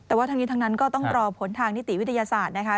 แต่ว่าทั้งนี้ทั้งนั้นก็ต้องรอผลทางนิติวิทยาศาสตร์นะคะ